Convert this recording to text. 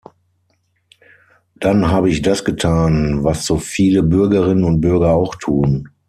Dann habe ich das getan, was so viele Bürgerinnen und Bürger auch tun.